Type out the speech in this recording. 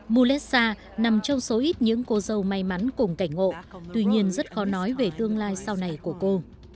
mulesa nằm trong số ít những cô dâu may mắn cùng cảnh ngộ tuy nhiên rất khó nói về tương lai sau này của cô